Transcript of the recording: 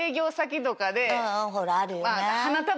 ほらあるよね。